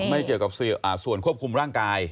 ไม่เกี่ยวกับส่วนควบคุมร่างกาย